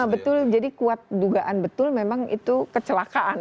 betul jadi kuat dugaan betul memang itu kecelakaan